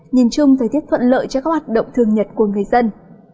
nhìn chung thời tiết thuận lợi cho các hoạt động thường nhật của người dân